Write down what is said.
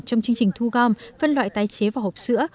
trong chương trình thu gom phân loại tái chế vỏ hộp sữa